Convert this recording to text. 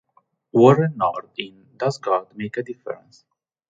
Warren Nord in "Does God Make a Difference?